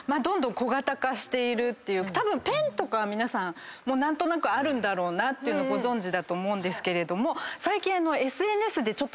ペンとかは皆さん何となくあるんだろうなってご存じだと思うんですけれども最近。